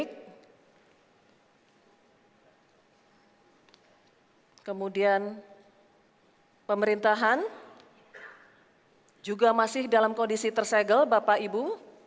hai pemerintahan juga masih dalam kondisi tersegel bapak ibu